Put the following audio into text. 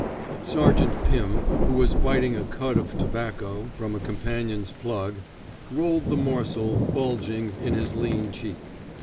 Sergeant Pim, who was biting a cud of tobacco from a companion's plug, rolled the morsel, bulging, in his lean cheek.